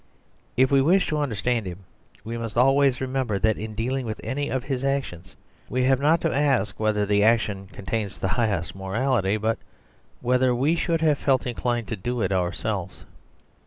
If we wish to understand him, we must always remember that in dealing with any of his actions we have not to ask whether the action contains the highest morality, but whether we should have felt inclined to do it ourselves.